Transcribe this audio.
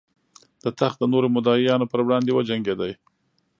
د تخت د نورو مدعیانو پر وړاندې وجنګېد.